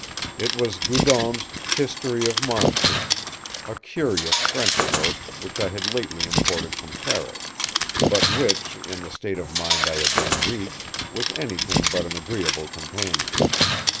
It was Goudon’s “History of Monsters,”—a curious French work, which I had lately imported from Paris, but which, in the state of mind I had then reached, was anything but an agreeable companion.